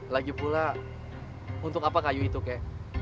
lagipula untuk apa kayu itu kakek